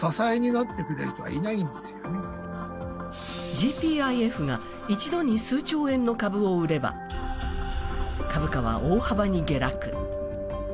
ＧＰＩＦが一度に数兆円の株を売れば、株価は大幅に下落。